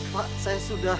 pak saya sudah